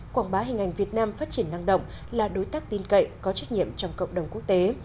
quảng bá hình ảnh việt nam phát triển năng động là đối tác tin cậy có trách nhiệm trong cộng đồng quốc tế